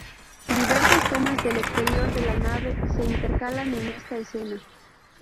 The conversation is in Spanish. Diversas tomas del exterior de la nave se intercalan en esta escena.